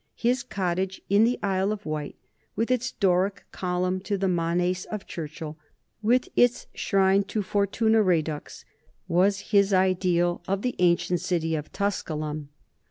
His cottage in the Isle of Wight, with its Doric column to the manes of Churchill, with its shrine to Fortuna Redux, was his idea of the ancient city of Tusculum.